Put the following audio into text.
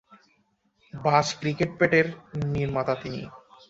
বাজ ক্রিকেট ব্যাটের নির্মাতা তিনি।